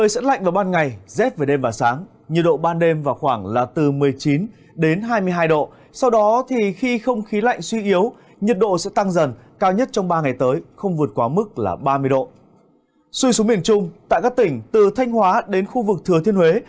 xui xuống miền trung tại các tỉnh từ thanh hóa đến khu vực thừa thiên huế